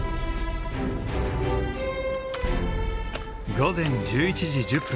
午前１１時１０分。